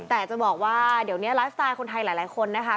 แต่จะบอกว่าเดี๋ยวนี้ไลฟ์สไตล์คนไทยหลายคนนะคะ